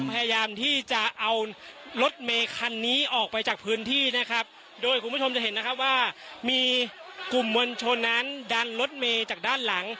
พยายามที่จะเอารถเมคันนี้ออกไปจากพื้นที่นะครับโดยคุณผู้ชมจะเห็นนะครับว่ามีกลุ่มมวลชนนั้นดันรถเมย์จากด้านหลัง